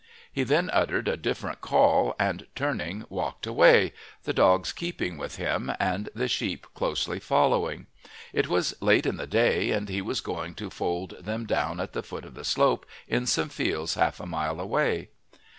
He then uttered a different call, and turning walked away, the dogs keeping with him and the sheep closely following. It was late in the day, and he was going to fold them down at the foot of the slope in some fields half a mile away.